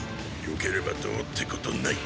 よければどうってことない。